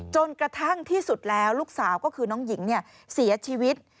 จนกระทั่งที่สุดแล้วลูกสาวก็คือน้องหญิงเสียชีวิต